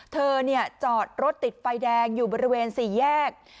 เธอจอดรถติดไฟแดงอยู่บริเวณ๔แยก